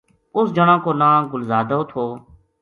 اس جنا کو ناں گل زادو تھو